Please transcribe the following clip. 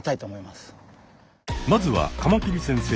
まずはカマキリ先生